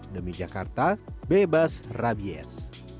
demi jakarta bebas rabies